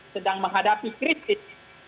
sedang menghadapi krisis